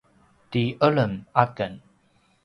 ti eleng aken